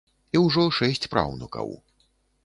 І ўжо шэсць праўнукаў.